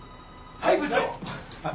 はい部長。